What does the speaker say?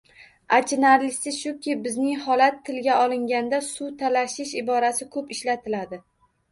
Achinarlisi shuki, bizning holat tilga olinganda «suvga talashish» iborasi ko‘p ishlatiladi.